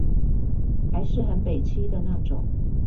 還是很北七的那種